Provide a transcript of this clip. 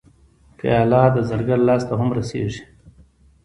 پیاله د زرګر لاس ته هم رسېږي.